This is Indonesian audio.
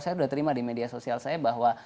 saya sudah terima di media sosial saya bahwa